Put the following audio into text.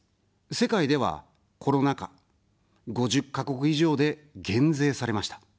世界では、コロナ禍、５０か国以上で減税されました。